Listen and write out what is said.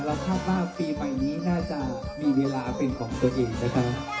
คาดว่าปีใหม่นี้น่าจะมีเวลาเป็นของตัวเองนะครับ